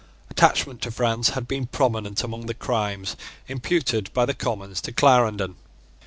Attachment to France had been prominent among the crimes imputed by the Commons to CIarendon.